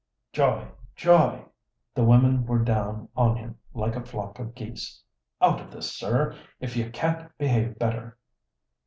Joy! Joy!" The women were down on him like a flock of geese. "Out of this, sir, if you can't behave better."